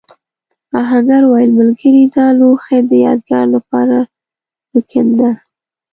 آهنګر وویل ملګري دا لوښی د یادگار لپاره وکېنده.